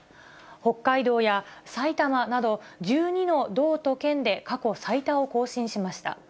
北海道や埼玉など１２の道と県で過去最多を更新しました。